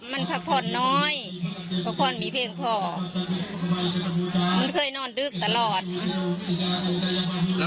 แม่จะไม่เชื่อแม่นะ